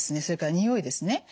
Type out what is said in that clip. それから匂いですね